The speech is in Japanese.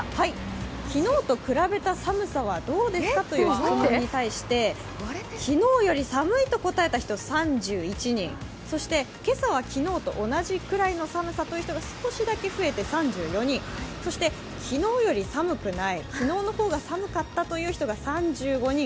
昨日と比べた寒さはどうですか？という質問に対して、昨日より寒いと答えた人が３１人、今朝は昨日と同じくらいの寒さという人が少しだけ増えて３４人そして昨日より寒くない、昨日の方が寒かったという人が３５人。